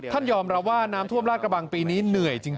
ยอมรับว่าน้ำท่วมลาดกระบังปีนี้เหนื่อยจริง